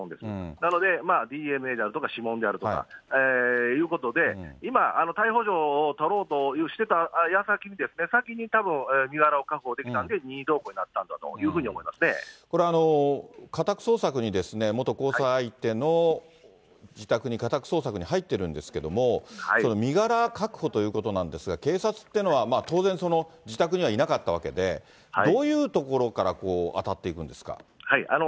なのでＤＮＡであるとか、指紋であるとかということで、今、逮捕状を取ろうとしてたやさきに、先にたぶん身柄を確保できたんで、任意同行になったんだというふうこれ、家宅捜索に元交際相手の自宅に家宅捜索に入ってるんですけれども、身柄確保ということなんですが、警察っていうのは、当然、自宅にはいなかったわけで、どういうところから当たっていくんですか。